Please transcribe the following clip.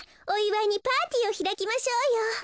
おいわいにパーティーをひらきましょうよ。